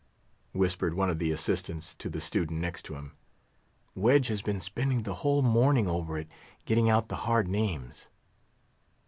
whispered one of the assistants to the student next him. "Wedge has been spending the whole morning over it, getting out the hard names."